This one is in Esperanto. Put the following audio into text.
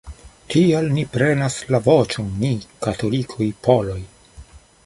Tial ni prenas la voĉon, ni katolikoj-poloj".